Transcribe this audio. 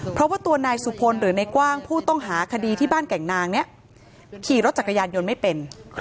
เพราะว่าตัวนายสุพลหรือในกว้างผู้ต้องหาคดีที่บ้านแก่งนางนี้ขี่รถจักรยานยนต์ไม่เป็น